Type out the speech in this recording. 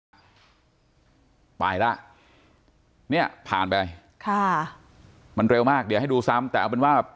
ไปแล้วเนี่ยผ่านไปค่ะมันเร็วมากเดี๋ยวให้ดูซ้ำแต่เอาเป็นว่า